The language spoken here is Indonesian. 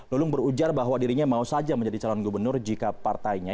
lulung berujar bahwa dirinya mau saja menjadi calon gubernur jika partainya